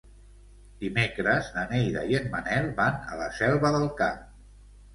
Dimecres na Neida i en Manel van a la Selva del Camp.